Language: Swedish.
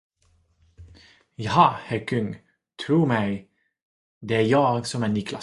Jaha, herr kung, tro mig, det är jag som är Niklas.